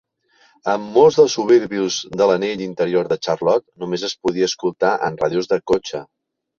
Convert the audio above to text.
En molts dels suburbis de l'anell interior de Charlotte, només es podia escoltar en ràdios de cotxe.